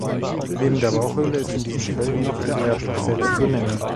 Neben der Bauchhöhle ist in diesen Fällen noch der Eierstock selbst zu nennen.